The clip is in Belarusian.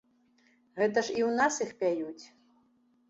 Гэта ж і ў нас іх пяюць.